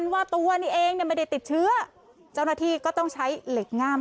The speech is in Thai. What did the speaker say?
ว่าตัวนี่เองเนี่ยไม่ได้ติดเชื้อเจ้าหน้าที่ก็ต้องใช้เหล็กง่าม